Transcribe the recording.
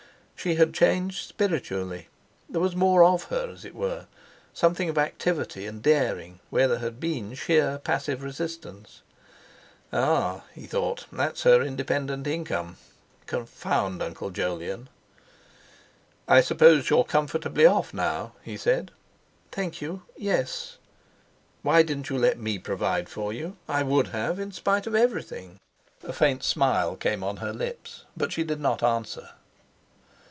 She had changed spiritually. There was more of her, as it were, something of activity and daring, where there had been sheer passive resistance. "Ah!" he thought, "that's her independent income! Confound Uncle Jolyon!" "I suppose you're comfortably off now?" he said. "Thank you, yes." "Why didn't you let me provide for you? I would have, in spite of everything." A faint smile came on her lips; but she did not answer.